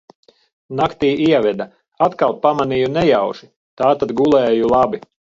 Naktī ieveda, atkal pamanīju nejauši, tātad gulēju labi!